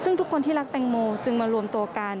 ซึ่งทุกคนที่รักแตงโมจึงมารวมตัวกัน